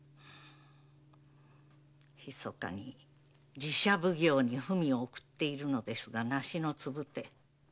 密かに寺社奉行に文を送っているのですが梨の礫。